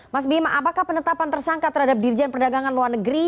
mas bima apakah penetapan tersangka terhadap dirjen perdagangan luar negeri